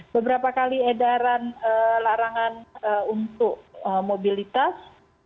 beberapa kali edaran larangan untuk mobilitas